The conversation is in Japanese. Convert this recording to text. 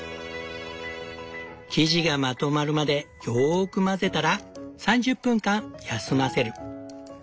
生地がまとまるまでよく混ぜたら３０分間休ませる。